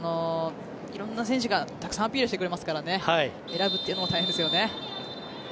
色んな選手がたくさんアピールしてくれますからね選ぶというのも大変ですよね。